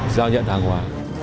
giao nhận hàng hóa